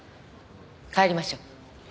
帰りましょう。